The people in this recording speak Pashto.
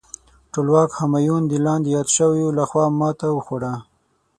ټولواک همایون د لاندې یاد شویو لخوا ماته وخوړه.